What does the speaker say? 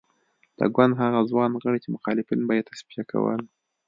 د ګوند هغه ځوان غړي چې مخالفین به یې تصفیه کول.